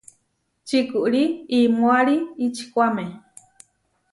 Čikúri imoári ičikuáme.